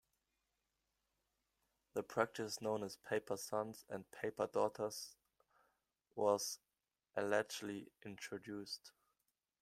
The practice known as "Paper Sons" and "Paper Daughters" was allegedly introduced.